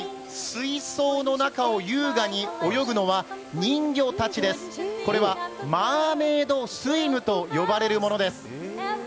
水槽の中を優雅に泳ぐのはこれはマーメイドスイムと呼ばれるものです。